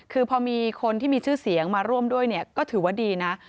คือพอมีคนที่มีชื่อเสียงมาร่วมด้วยเนี่ยก็ถือว่าดีนะ